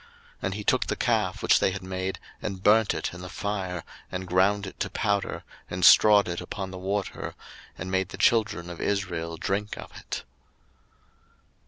02:032:020 And he took the calf which they had made, and burnt it in the fire, and ground it to powder, and strawed it upon the water, and made the children of Israel drink of it.